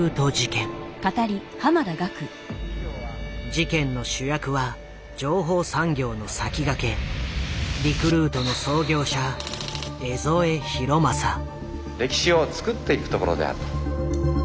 事件の主役は情報産業の先駆け歴史を作っていくところであると。